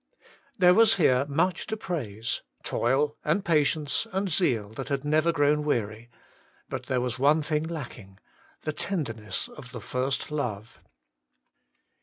There was here much to praise — toil, and patience, and zeal that had never grown weary. But there was one thing lacking — the tenderness of the first love.